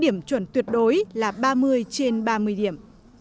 điểm chuẩn tuyệt đối là ba mươi trên ba mươi điểm